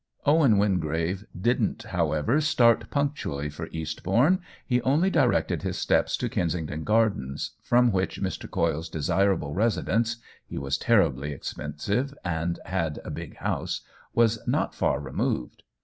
Owen Wingrave didn't however start punctually for Eastbourne ; he only direct ed his steps to Kensington Gardens, from which Mr. Coyle's desirable residence (he was terribly expensive and had a big house) was not far removed.